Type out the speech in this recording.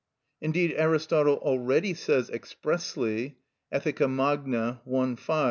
Indeed Aristotle already says expressly (Eth. Magna, i.